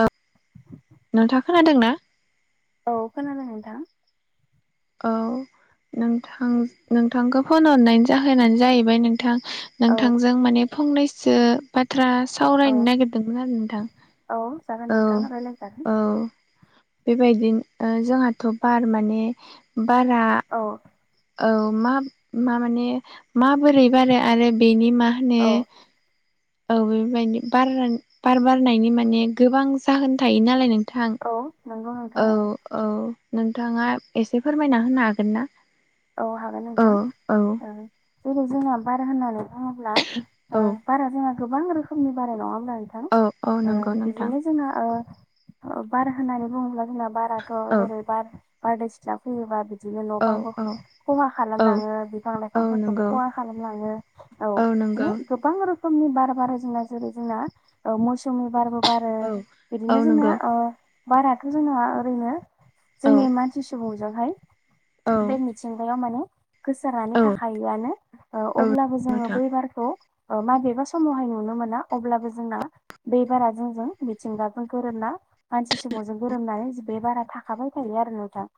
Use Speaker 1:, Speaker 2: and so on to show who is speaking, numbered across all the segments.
Speaker 1: औ नोंथाङा खोनादों ना?
Speaker 2: औ खोनादों नोंथां।
Speaker 1: औ नोंथां नोंथांखौ फन हरनायनि जाहोनानै जाहैबाय नों थां
Speaker 2: औ
Speaker 1: नोंथांजों माने फंनैसो बा बाथ्रा
Speaker 2: औ
Speaker 1: सावरायनो नागिरदोंमोन आरो नोंथां
Speaker 2: औ जागोन
Speaker 1: औ
Speaker 2: नोंथां रायलाय जागोन
Speaker 1: औ बेबायदिनो ओ जोंहाथ' बार माने बारा
Speaker 2: औ
Speaker 1: औ मा मा माने माबोरै बारो आरो बेनि मा होनो
Speaker 2: औ
Speaker 1: औ बेबायदि बार बार बारनायनि माने गोबां जाहोन थायो नालाय नों
Speaker 2: औ नंगौ नोंथां
Speaker 1: औ औ नोंथांङा एसे फोरमायना होनो हागोन ना?
Speaker 2: औ हागोन
Speaker 1: औ
Speaker 2: नोंथां
Speaker 1: औ
Speaker 2: ओ जेरै जोंना बार होननानै बुंङोब्ला ओ
Speaker 1: औ
Speaker 2: बारा जोंना गोबां रोखोमनि बारो नंङाहोमब्ला नोंथां
Speaker 1: औ औ
Speaker 2: ओ
Speaker 1: नंगौ नोंथां
Speaker 2: बिदिनो जोंङो ओ बार होनानै बुंङोब्ला जोंना बाराथ'
Speaker 1: औ
Speaker 2: जेरै बार बारदै सिया फैयोबा बिदिनो न'
Speaker 1: औ
Speaker 2: बांबो
Speaker 1: औ
Speaker 2: खहा
Speaker 1: औ
Speaker 2: खालामलांङो बिफां
Speaker 1: औ
Speaker 2: लाइफांफोरखौबो
Speaker 1: नंगौ
Speaker 2: खहा खालामलांङो औ माने गोबां रोखोमनि बार बार जोंना जेरै जोंना औ मौसुमि बारबो बारो
Speaker 1: औ औ
Speaker 2: बिदिनो जोंना
Speaker 1: नंगौ
Speaker 2: ओ बाराथ' जोंना ओरैनो
Speaker 1: औ
Speaker 2: जोंनि मानसि सुबुंजोंहाय
Speaker 1: औ
Speaker 2: बे मिथिंगायाव माने गोसारनानै
Speaker 1: औ
Speaker 2: थाखायोआनो ओ
Speaker 1: औ
Speaker 2: अब्लाबो जोंङो
Speaker 1: नोंथां
Speaker 2: बै बारखौ ओ माबेबा समावहाय नुनो मोना अब्लाबो जोंना बे बारा जों जों मिथिंगाजों गोरोबना ना मानसि सुबुंजों गोरोमनानै बे बारा थाखाबाय थायो आरो नोंथां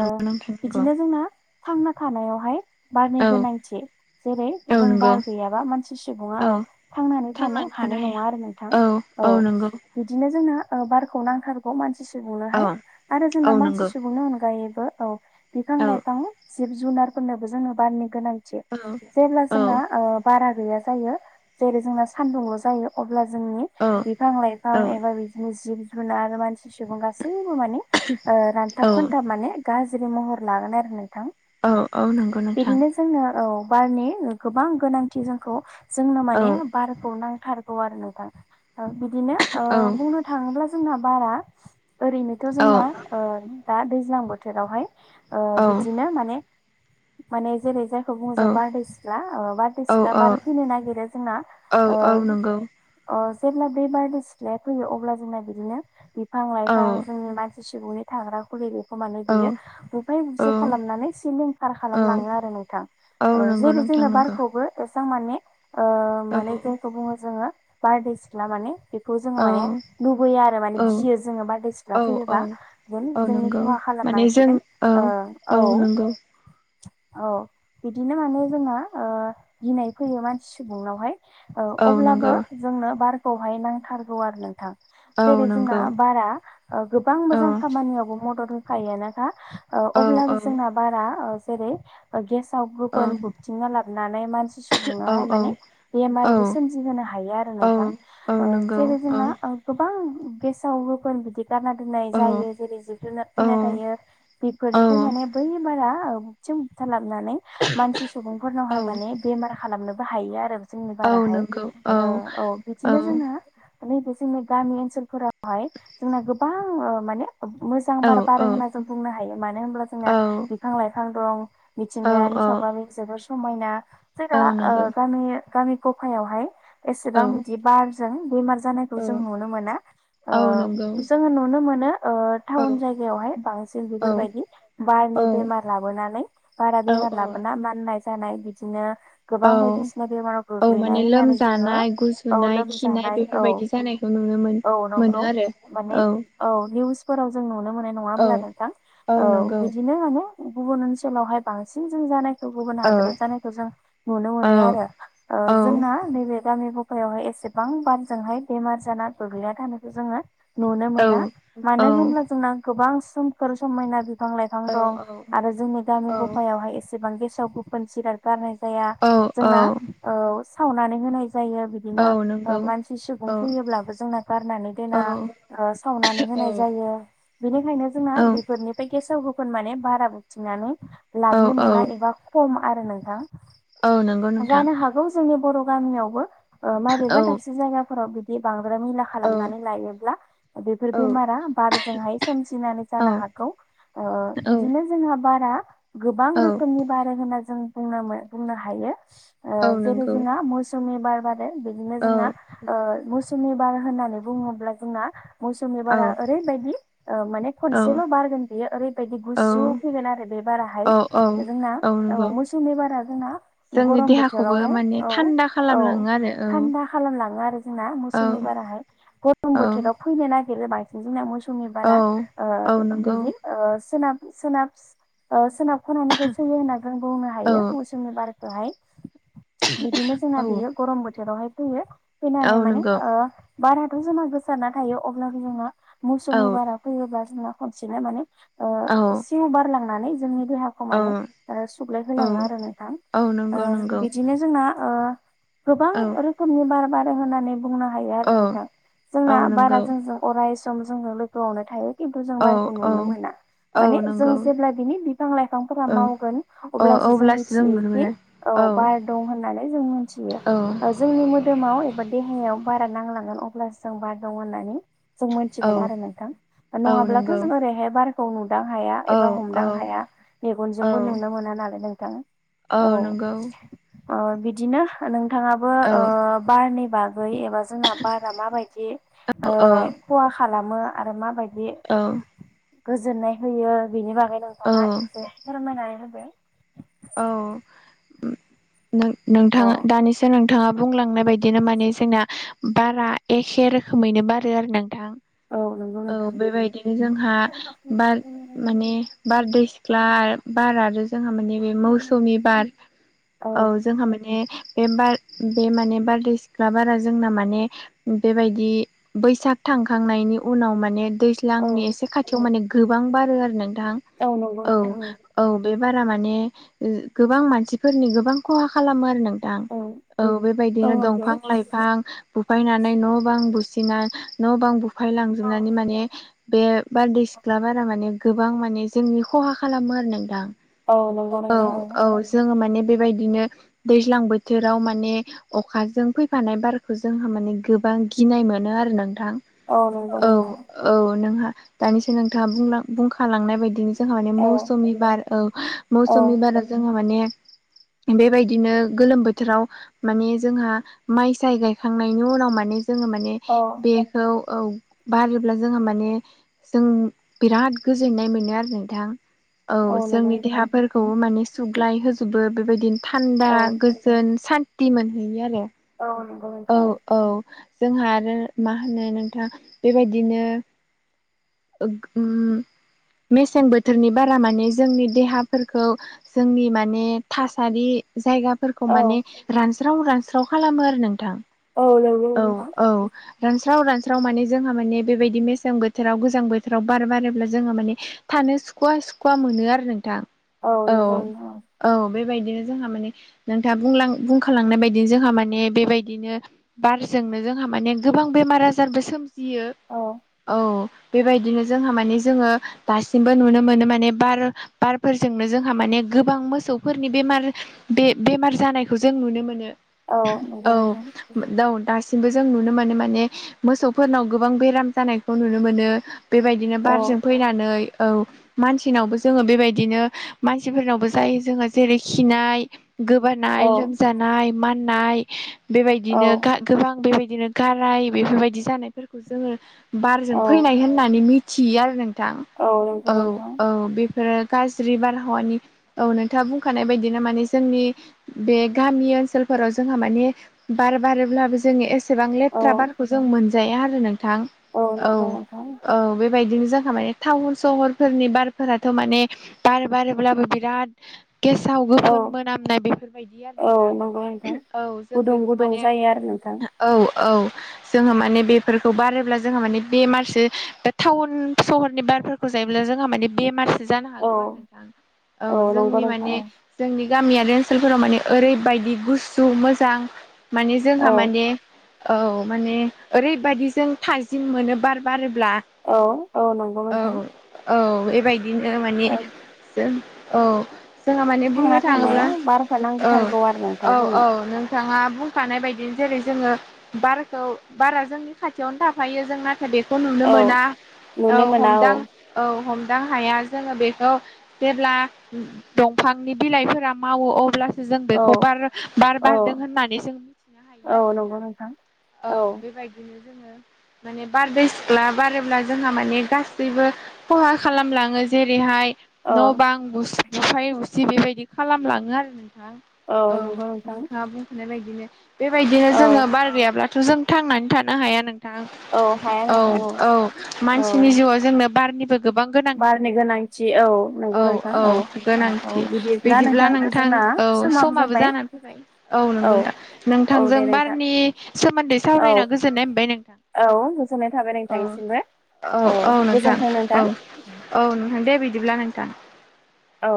Speaker 2: ओ
Speaker 1: नोंथां नंगौ
Speaker 2: बिदिनो जोंना थांना थानायावहाय बारनि
Speaker 1: औ
Speaker 2: गोनांथि जेरै
Speaker 1: औ
Speaker 2: जों
Speaker 1: नंगौ
Speaker 2: बार गैयाबा मानसि सुबुंङा औ थांनानै थानो हा हानाय नंङा आरो नोंथां औ बिदिनो जोंङो ओ बार खौ नांथारगौ मानसि
Speaker 1: औ
Speaker 2: सुबुंनोहाय आरो जोंना
Speaker 1: औ नंगौ
Speaker 2: मानसि सुबुंनि अनगायैबो औ बिफां
Speaker 1: औ
Speaker 2: लाइफां जिब जुनारफोरनोबो जोंनो बारनि गोनांथि थि
Speaker 1: औ
Speaker 2: जेब्ला
Speaker 1: औ
Speaker 2: जोंना ओ बारा गैया जायो जैरै जोंना सान्दुंल' जायो अब्ला जोंनि
Speaker 1: औ
Speaker 2: बिफां लाइफां
Speaker 1: औ
Speaker 2: एबा बिदिनो जिब जुनार आरो मानसि सुबुं गासै बो माने ओ
Speaker 1: औ
Speaker 2: रानथाब खोनथाब माने गाज्रि महर लागोन आरो नोंथां
Speaker 1: औ औ नंगौ नोंथां
Speaker 2: बिदिनो जोंनो औ बारनि गोबां गोनांथि जोंखौ जोंनो
Speaker 1: औ
Speaker 2: माने बारखौ नां थारगौ आरो नोंथां बिदिनो ओ
Speaker 1: औ
Speaker 2: बुंनो थांङोब्ला जोंना बारा ओरैनोथ'
Speaker 1: औ
Speaker 2: जोंना ओ दा दैज्लां बोथोरावहाय ओ
Speaker 1: औ
Speaker 2: बिदिनो माने माने जेरै जों खौ बुंङो जों बारदै सिख्ला ओ बारदै
Speaker 1: औ
Speaker 2: सिख्ला बार फैनो नागिरो जोंना
Speaker 1: औ
Speaker 2: ओ
Speaker 1: औ नंगौ
Speaker 2: अ जेब्ला बे बारदै सिख्लाया फैयो अब्ला जोंना बिदिनो बिफां
Speaker 1: औ
Speaker 2: लाइफां जोंनि मान सि सुबुंनि थाग्रा खुलिखौ माने
Speaker 1: औ
Speaker 2: बियो बुफाय बुसि
Speaker 1: औ
Speaker 2: खालामनानै सिलिंखारार
Speaker 1: औ
Speaker 2: खालामलांङो आरो नोंथां
Speaker 1: औ
Speaker 2: ओ
Speaker 1: नंगौ
Speaker 2: जेरै
Speaker 1: नोंथां
Speaker 2: जोंनो
Speaker 1: नंगौ
Speaker 2: बारखौबो एसां माने ओ माने
Speaker 1: औ
Speaker 2: जायखौ बुंङो जोंङो बारदै सिख्ला माने बेखौ
Speaker 1: औ
Speaker 2: जोंङो माने लुुबैया आरो
Speaker 1: औ
Speaker 2: माने गियो जोंङो बारदै
Speaker 1: औ
Speaker 2: सिख्ला फैयोबा
Speaker 1: औ
Speaker 2: जों
Speaker 1: औ
Speaker 2: जोंनि
Speaker 1: नंगौ
Speaker 2: खहा
Speaker 1: माने जों
Speaker 2: खालामनांसिगोन
Speaker 1: औ
Speaker 2: ओ औ औ बिदिनो माने जोंना ओ गिनाय फैयो मानसि सुबुंनावहाय औ अब्लाबो जोंनो बारखौहाय नांथारगौ आरो नोंथां
Speaker 1: औ
Speaker 2: जेरै जोंना
Speaker 1: नंगौ
Speaker 2: बारा ओ गोबां
Speaker 1: औ
Speaker 2: मोजां खामानियावबो मदद होखायोनोखा ओ
Speaker 1: औ
Speaker 2: अब्लाबो जोंना बारा ओ जेरै गेसाव
Speaker 1: औ
Speaker 2: गुबुन बुगथिंना लाबोनानै नै मानसि सुबुंनोहाय माने
Speaker 1: औ
Speaker 2: बेमारबो सोमजिहोनो हायो आरो
Speaker 1: औ
Speaker 2: नोंथां
Speaker 1: औ
Speaker 2: ओ
Speaker 1: नंगौ
Speaker 2: जेरै जों
Speaker 1: औ
Speaker 2: जोंना ओ गोबां गेसाव गोफोन बिदि गारना दोननाय
Speaker 1: औ
Speaker 2: जायो जेरै जिब जुनार
Speaker 1: औ
Speaker 2: थैना थायो
Speaker 1: औ
Speaker 2: बेफोरनिफ्राय माने था ओब बुथिं बुथा लाबोनानै मानसि
Speaker 1: औ
Speaker 2: सुबुंफोरनावहाय माने बेमार खालामनोबो हायो आरो जोंनि
Speaker 1: औ
Speaker 2: बाराहाय
Speaker 1: नंगौ औ
Speaker 2: ओ औ बिदिनो जोंङो नैबे जोंनि गामि ओनसोलफोराव हाय जोंना गोबां ओ माने मोजां बार बारो
Speaker 1: औ नंगौ औ
Speaker 2: होनना जों बुंनो हायो मानो होनब्ला जों ना बिफां लाइफां दं मिथिंगायारि सावगारि जोबोर समायना
Speaker 1: औ
Speaker 2: जोंना
Speaker 1: नंगौ
Speaker 2: ओ गामि गफायावहाय
Speaker 1: औ
Speaker 2: एसेबां बिदि बारजों बेमार जानायखौ
Speaker 1: औ
Speaker 2: जों नुनो मोना ओ
Speaker 1: औ
Speaker 2: जोङो नुनो मोनो ओ टाउन जायगायावहाय बांसिन बेफोरबायदि बारनि बेमार लाबोनानै बारा बेमार
Speaker 1: औ
Speaker 2: लाबोना माननाय जानाय बिदिनो
Speaker 1: औ
Speaker 2: गोबां बायदिसिना बेमाराव
Speaker 1: औ माने
Speaker 2: गोग्लैनाय होननानै जोङो
Speaker 1: लोमजानाय
Speaker 2: औ
Speaker 1: गुजुनाय खिनाय
Speaker 2: लोमजानाय औ
Speaker 1: बेफोरबायदि जानायखौ नुनो मोन
Speaker 2: औ नंगौ
Speaker 1: मोनो
Speaker 2: माने
Speaker 1: आरो
Speaker 2: औ निउस फोराव जों नुनो मोननाय
Speaker 1: औ
Speaker 2: नङाब्ला नोंथां औ बि दिनो गुबुन ओनसोलावहाय बांसिन जों जानाय गुबुन
Speaker 1: औ
Speaker 2: हादोराव जानायखौ जों नुनो मोनो
Speaker 1: औ
Speaker 2: आरो
Speaker 1: औ
Speaker 2: जोंना नैबे गामि गफायावहाय एसेबां बारजोंहाय बेमार जाना गोग्लैया थानायखौ जोङो नुनो
Speaker 1: औ
Speaker 2: मोना
Speaker 1: औ
Speaker 2: मानो होनोब्ला जोंना गोबां सोमखोर समायना बिफां बिफां दं आरो जोंनि गामि गफायावहाय एसेबां गेसाव गोफोन जिराद गारनाय जाया
Speaker 1: औ
Speaker 2: जोंना सावनानै होनाय
Speaker 1: औ
Speaker 2: बिदिनो
Speaker 1: नंगौ
Speaker 2: मानसि सुबुं
Speaker 1: औ
Speaker 2: फैयोब्लाबो जोंना गारनानै दोना
Speaker 1: औ
Speaker 2: साव
Speaker 1: औ
Speaker 2: होनाय जायो बेनिखायनो जोंना
Speaker 1: औ
Speaker 2: बेफोरनिफ्राय गेसाव गोफोन माने बारा बुथिंनानै
Speaker 1: औ
Speaker 2: लाबोनो
Speaker 1: औ
Speaker 2: मोना एबा खम आरो नोंथां
Speaker 1: औ नंगौ नोंथां
Speaker 2: जानो हागौ जोंनि बर' गामियावबो
Speaker 1: औ
Speaker 2: माबेबा दाबसे जायगाफोराव बिदि बां बांद्राय मैला
Speaker 1: औ
Speaker 2: खालामनानै लायोब्ला बेफोर बेमारा बारजोंहाय सोमजिनानै
Speaker 1: औ
Speaker 2: जानो हागौ बिदिनो जोंहा बारा गोबां
Speaker 1: औ
Speaker 2: रोखोमनि बार होनना जों बुंनो हायो
Speaker 1: औ
Speaker 2: जेरै
Speaker 1: नंगौ
Speaker 2: जोंहा मौसुमि बार आरो बिदिनो
Speaker 1: औ
Speaker 2: जोंना मौसुमिबार होननानै बुङोब्ला जोंना मौसुमि
Speaker 1: औ
Speaker 2: बारा ओरैबायदि माने
Speaker 1: औ
Speaker 2: खनसेल' बारगोन बेयो ओरैबायदि गुसु फैगोन आरो बे बाराहाय
Speaker 1: औ
Speaker 2: जोंना
Speaker 1: नंगौ
Speaker 2: औ मौसुमि बारा जोंना
Speaker 1: जोंनि
Speaker 2: गरम
Speaker 1: देहाखौबो
Speaker 2: बोथोरावहाय
Speaker 1: माने
Speaker 2: औ
Speaker 1: थान्दा
Speaker 2: औ
Speaker 1: खालामलाङो आरो
Speaker 2: थान्दा खालामलाङो आरो जोंना
Speaker 1: औ
Speaker 2: मौसुमि बार बाराहाय गरम
Speaker 1: औ
Speaker 2: बोथोराव फैनो नागिरो बांसिन जोंना मौसुमि
Speaker 1: औ
Speaker 2: बारा
Speaker 1: औ नंगौ
Speaker 2: बिदि ओ सोनाब सोनाब सोनाब खनानिखौ फैयो होनना जों बुंनो
Speaker 1: औ
Speaker 2: हायो मौसुनि बार बेहाय बिदिनो जोंना
Speaker 1: औ
Speaker 2: बेयो गरम बोथोरावहाय फैयो
Speaker 1: औ
Speaker 2: फैनानै माने
Speaker 1: नंगौ
Speaker 2: बाराथ' जोंना गोसारना थायो अब्लाबो जोंना
Speaker 1: औ
Speaker 2: मौसुमि बारा फैयोब्ला जोंना खनसेनो माने
Speaker 1: औ
Speaker 2: सिउ बारलांनानै जोंनि देहाखौ
Speaker 1: औ
Speaker 2: माने
Speaker 1: औ
Speaker 2: सुग्लायहोलाङो आरो नोंथां
Speaker 1: औ नंगौ नंगौ
Speaker 2: बिदिनो जोंना ओ गोबां
Speaker 1: औ
Speaker 2: रोखोमनि बार बार होननानै बुंनो हायो आरो
Speaker 1: औ
Speaker 2: नोंथां
Speaker 1: औ
Speaker 2: जोंना बारा
Speaker 1: नंगौ
Speaker 2: जोंजों अराय सम जोंनो लोगोआवनो थायो खिन्थु जों
Speaker 1: औ
Speaker 2: बारखौ
Speaker 1: औ
Speaker 2: नुनो मोना
Speaker 1: औ
Speaker 2: माने जों
Speaker 1: नंगौ
Speaker 2: जेब्ला बिनि बिफां लाइफांफोरा
Speaker 1: औ अ
Speaker 2: मावगोन अब्लासो जों मिथियोखि औ बार दं होननानै जों
Speaker 1: औ
Speaker 2: मिथियो जोंनि मोदोमाव एबा देहायाव बारा नांलांगोन अब्लासो जों बार दं होननानै जों
Speaker 1: औ
Speaker 2: मिथिगोन आरो नोंथां
Speaker 1: औ
Speaker 2: नङाब्लाथ'
Speaker 1: नंगौ
Speaker 2: जों ओरैहाय बारखौ मोमदां हाया
Speaker 1: औ
Speaker 2: एबा हमदां
Speaker 1: औ
Speaker 2: हाया
Speaker 1: औ
Speaker 2: मेगनजोंबो नुनो मोना नालाय नोंथां
Speaker 1: औ नंगौ
Speaker 2: बिदिनो नोंथाङाबो
Speaker 1: औ
Speaker 2: बारनि बागै एबा जोंना बारा मा बायदि
Speaker 1: औ
Speaker 2: खहा खालामो आरो मा बाय
Speaker 1: औ
Speaker 2: गोजोननाय होयो बिनि बागै नोंथाङा
Speaker 1: औ
Speaker 2: एसे फोरमायनानै होदो
Speaker 1: नों
Speaker 2: औ
Speaker 1: नोंथाङा दानिसो नों नोंथाङा बुंलांनाय बायदिनो माने जोंना बारा एखे रोखोमैनो बारो आरो नोंथां
Speaker 2: औ नंगौ
Speaker 1: औ
Speaker 2: नोंथां
Speaker 1: बेबायदिनो जोंहा बार माने बारदै सिख्ला बार आरो जोंहा माने बे मौसुमि बार औ जोंहा माने बे बार बे माने बारदै सिख्ला बारा जोंना माने बेबायदि बैसाग थांखांनायनि उनाव माने
Speaker 2: औ
Speaker 1: दैज्लांनि एसे खाथियाव माने गोबां बारो आरो नोंथां
Speaker 2: औ नंगौ नोंथां औ
Speaker 1: औ-औ बे बारा माने माने गोबां मानसिफोरनि गोबां खहा खालामो आरो नों थां औ
Speaker 2: औ
Speaker 1: बेबायदिनो
Speaker 2: नंगौ
Speaker 1: दंफां लाइफां बुफायनानै न' बां बुसिना न' बां बुफाय लांजोबनानै माने बे बारदै सिख्ला बारा माने गोबां माने जोंनि खहा खालामो आरो नोंथां।
Speaker 2: औ।
Speaker 1: औ-औ
Speaker 2: नोंथां औ
Speaker 1: जोङो मानेब बेबायदिनो दैज्लां बोथोराव माने अखाजों फैफानाय बारखौ जोंहा माने गोबां गोबां गिनाय मोनो आरो नों थां औ औ नों हा दानिसो नोंथाङा बुंलां‌ बुंखा खाालांनाय बायदिनो जोंहा
Speaker 2: नोंथां
Speaker 1: माने
Speaker 2: औ
Speaker 1: मौसुमि बार औ
Speaker 2: औ
Speaker 1: मौसुमि बारा जोंहा माने बेबायदिनो गोलोम बोथोराव माने जोंहा माइ साय गायखांनायनि उनाव माने जोङो माने बेखौ औ बारोब्ला जोंहा माने जों बिराद गोजोननाय मोनो आरो नोंथां। औ
Speaker 2: नंगौ
Speaker 1: जोंनि
Speaker 2: नोंथां
Speaker 1: देहाफोरखौ माने सुग्लाय होजोबो बेबायदिन थान्दा
Speaker 2: औ
Speaker 1: गोजोन सान्थि मोनहैयो आरो।
Speaker 2: औ नंगौ
Speaker 1: औ
Speaker 2: नोंथां
Speaker 1: औ जोंहा आरो मा होनो नोंथाङ बेबायदिनो उम। मेसें बोथोरनि बारा माने जोंनि देहाफोरखौ जोंनि माने थासारि जायगाफोरखौ
Speaker 2: औ
Speaker 1: माने रानस्राव रानस्राव खालामो आरो नोंथां।
Speaker 2: औ नंगौ
Speaker 1: औ
Speaker 2: नोंथां
Speaker 1: औ र स्राव रानस्राव माने जोंहा माने बेबायदि मेसें बोथोराव गोजां बोथोराव बार बारोब्ला जोंहा माने थानो सुखुवा सुखुवा मोनो आरो नोंथां।
Speaker 2: औ नोंगौ नोंथां।
Speaker 1: औ बेबायदिनो जोंहा माने नोंथाङा बुंलां बुंखालांनाय बायदिनो जोंहा माने बेबायदि बिदिनो बारजोंनो जोंहा माने गोबां बेमार आजारबो सोमज फियो
Speaker 2: औ
Speaker 1: औ। बेबायदिनो जोंहा माने जोङो दासिमबो नुनो मोनो माने बार बारफोरजोंनो जोंहा माने गोबां मोसौफोरनि बेमार बे बेमार जानायखौ जों नुनो मोनो।
Speaker 2: औ औ।
Speaker 1: औ
Speaker 2: नोंथां
Speaker 1: दाउ दास दासिमबो जों नुनो मोनो माने मोसौफोरनाव गोबां बेराम जानायखौ नुनो मोनो। बेबायदिनो
Speaker 2: औ
Speaker 1: बारजों फैनानै औ मानसिनावबो जोङो बेबायदिनो मानसिफोरनावबो जायो जोङो जेरै खिनाय
Speaker 2: औ
Speaker 1: गोबानाय लोमजानाय माननाय
Speaker 2: औ
Speaker 1: बेबायदिनो गोबां बेबायद दिनो गाराय बेफोरबायदि जानायफोरखौ जोङो बारजों
Speaker 2: औ
Speaker 1: फैनाय होननानै मिथियो आरो नों नोंथां
Speaker 2: नंगौ
Speaker 1: औ
Speaker 2: नोंथां
Speaker 1: औ बेफोरो गाज्रि बारहावानि औ नोंथाङा बुंखानाय बायदिनो माने जोंनि बे गामि ओनसोल फोराव जोंहा माने बार बारोब्लाबो जोङो एसेबां
Speaker 2: औ
Speaker 1: लेथ्रा बारखौ जों मोनजाया आरो नों थां औ
Speaker 2: नंगौ नोंथां
Speaker 1: औ बे। बेबायदिनो जोंहा माने टाउन सहरफोरनि बारफोराथ' माने बार बारोब्लाबो बिराद गेसाव
Speaker 2: औ
Speaker 1: गोफोन मोनामनाय बेफोरबायदि आरो
Speaker 2: औ
Speaker 1: नोंथां
Speaker 2: नंगौ नोंथां
Speaker 1: औ जों
Speaker 2: गुदुं
Speaker 1: बेफ
Speaker 2: गुदुं
Speaker 1: माने
Speaker 2: जायो आरो नोंथां
Speaker 1: औ। औ जोङो माने बेफोरखौ बारोब्ला जोङो माने बेमारसे टाउन सहरनि बार बारफोरखौ जायोब्ला जोंहा माने बेमारसो जानो
Speaker 2: औ
Speaker 1: हागौ आरो नोंथां औ
Speaker 2: नंगौ
Speaker 1: जोंनि
Speaker 2: नोंथां
Speaker 1: माने जोंनि गामियारि ओनसोलफोराव माने ओरैबायदि गुसु मोजां माने
Speaker 2: औ
Speaker 1: जोंहा माने
Speaker 2: औ
Speaker 1: औ माने ओरैबायदि जों थाजिम मोनो बार बारोब्ला।
Speaker 2: औ औ नंगौ
Speaker 1: औ
Speaker 2: मोथां।
Speaker 1: औ बेबायदिनो माने जों औ। जोंहा माने बुंनो
Speaker 2: थांना
Speaker 1: थाङोब्ला
Speaker 2: थानायाव बारखौ
Speaker 1: औ
Speaker 2: नांथारगौ आरो नोंथां
Speaker 1: औ
Speaker 2: जोंनो
Speaker 1: औ नोंथाङा होखानाय बायदि जेरै जोङो बारखौ बारा जोंनि खाथियावनो थाफायो जोंना बेखौ नुनो
Speaker 2: औ
Speaker 1: मोना औ
Speaker 2: नुनो मोना
Speaker 1: हमदां औ हम दान हाया जोङो बेखौ जेब्ला दंफांनि बिलाइफोरा मावो अब्ला जों
Speaker 2: औ
Speaker 1: बेखौ बार बार
Speaker 2: औ
Speaker 1: बारदों होननानै जों मिथिनो हायो आरो
Speaker 2: औ नंगौ
Speaker 1: नोंथां औ बेबायदिनो जोङो माने बारदै सिख्ला बारोब्ला जोंहा माने गासैबो खहा खालामलाङो जेरैहाय
Speaker 2: औ
Speaker 1: न' बां बुसि बुफाय बुसि बेबायदि खालामलाङो आरो नों थां औ
Speaker 2: नंगौ नोंथां
Speaker 1: नोंथाङा बुंखानाय बायदिनो बेबायदिनो
Speaker 2: औ
Speaker 1: जोङो बार गैयाब्ला थ' जों थांनानै थानो हाया नों थां औ औ मानसिनि जिउवाव जोंनो बारनि गोबां गोनांथि आरो
Speaker 2: बारनि
Speaker 1: ना
Speaker 2: गोनांथि औ
Speaker 1: नोंथां
Speaker 2: नंगौ
Speaker 1: औ
Speaker 2: नोंथां
Speaker 1: औ गोनांथि बिदिब्ला नोंथां औ समाबो जानानै फैबाय औ नंगौ नोंथां
Speaker 2: औ
Speaker 1: नोंथांजों
Speaker 2: दे नोंथां
Speaker 1: बारनि सोमोन्दै
Speaker 2: औ
Speaker 1: सावरायना गोजोननाय मोनबाय नोंथां
Speaker 2: औ गोजोननाय थाबाय
Speaker 1: औ
Speaker 2: नोंथांनिसिमबो
Speaker 1: औ औ नोंथां औ औ नोंथां दे बिदिब्ला नोंथां।
Speaker 2: औ